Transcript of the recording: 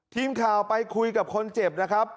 ทีมข่าวไปคุยกับคนเจ็บนะครับ